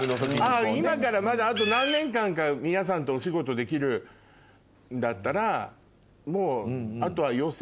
あぁ今からまだあと何年間か皆さんとお仕事できるんだったらもう。